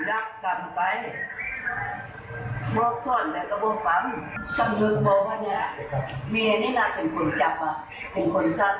อายุแล้วนักกลับไปบอกส่วนที่จะบ่งฝัง